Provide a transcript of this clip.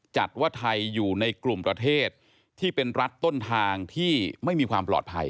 จัดว่าไทยอยู่ในกลุ่มประเทศที่เป็นรัฐต้นทางที่ไม่มีความปลอดภัย